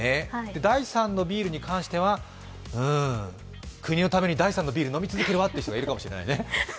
第３のビールに関してはうーん、国のために第３のビール、飲み続けるわという人もいるかもしれないね。